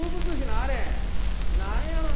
何やろな？